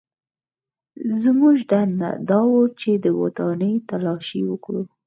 زموږ دنده دا وه چې ودانۍ تلاشي کړو